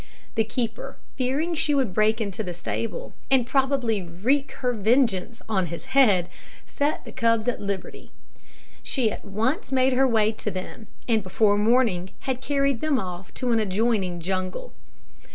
The keeper, fearing she would break into the stable, and probably wreak her vengeance on his head, set the cubs at liberty. She at once made her way to them, and before morning had carried them off to an adjoining jungle.